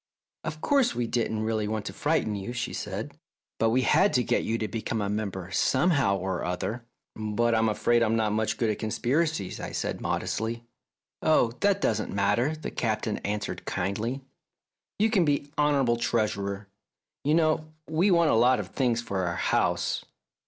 "Of course, we didn't really want to frighten you," she said, "but we had to get you to become a member somehow or other." " But I'm afraid I'm not much good at conspiracies," I said modestly. "Oh, that doesn't matter," the Captain answered kindly. " You can be honourable Treasurer. You know we want a lot of things for our house."